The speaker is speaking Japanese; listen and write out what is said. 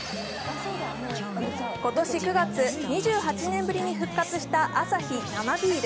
今年９月、２８年ぶりに復活したアサヒ生ビール。